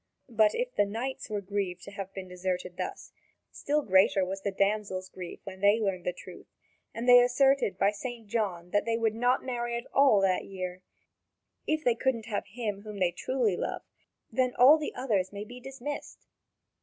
But if the knights were grieved to have been deserted thus, still greater was the damsels' grief when they learned the truth, and they asserted by St. John that they would not marry at all that year. If they can't have him whom they truly love, then all the others may be dismissed.